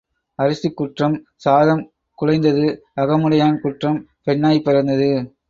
அரிசிக் குற்றம் சாதம் குழைந்தது அகமுடையான் குற்றம் பெண்ணாய்ப் பிறந்தது.